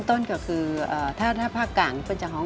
กรูผู้สืบสารล้านนารุ่นแรกแรกรุ่นเลยนะครับผม